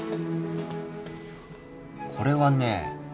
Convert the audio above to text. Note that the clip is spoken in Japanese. これはね。